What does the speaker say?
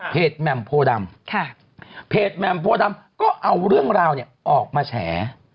แหม่มโพดำเพจแหม่มโพดำก็เอาเรื่องราวเนี่ยออกมาแฉ